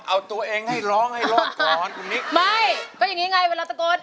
เอาตัวเองให้ร้องให้โลกถอนคุณมิกไม่ก็อย่างงี้ไงเวลาตะโกน